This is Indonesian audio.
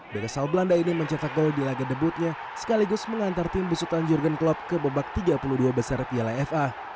bekas sal belanda ini mencetak gol di laga debutnya sekaligus mengantar tim besutan jurgen klopp ke babak tiga puluh dua besar piala fa